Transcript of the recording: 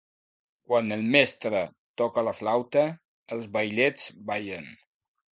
Quan el mestre toca la flauta, els vailets ballen.